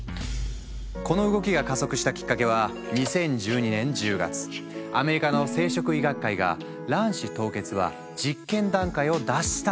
この動きが加速したきっかけは２０１２年１０月アメリカの生殖医学会が卵子凍結は実験段階を脱した！と宣言したから。